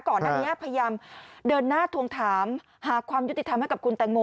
ก่อนหน้านี้พยายามเดินหน้าทวงถามหาความยุติธรรมให้กับคุณแตงโม